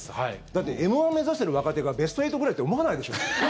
だってＭ−１目指している若手がベスト８ぐらいって思わないでしょ。